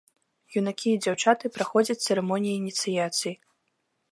Юнакі і дзяўчаты праходзяць цырымоніі ініцыяцыі.